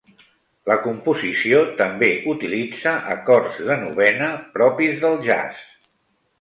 La composició també utilitza acords de novena propis del jazz.